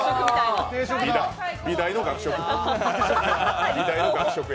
美大の学食。